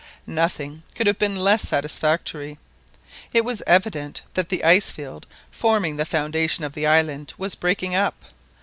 Nothing could have been less satisfactory. It was evident that the ice field forming the foundation of the island was breaking up.